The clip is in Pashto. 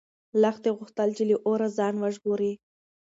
لښتې غوښتل چې له اوره ځان وژغوري.